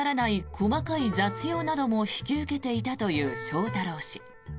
細かい雑用なども引き受けていたという翔太郎氏。